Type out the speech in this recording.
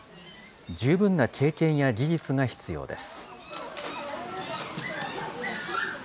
十分な経験や技術が必要です。